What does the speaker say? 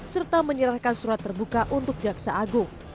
serta menyerahkan surat terbuka untuk jaksa agung